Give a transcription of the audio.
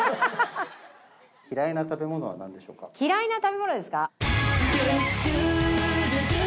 嫌いな食べ物ですか？